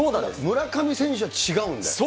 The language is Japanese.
村上選手は違うんだよ。